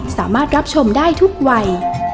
สามารถรับชมได้ทุกวัย